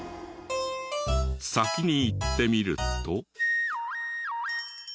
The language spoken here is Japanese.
先に行ってみると。